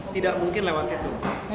tidak mungkin lewat situ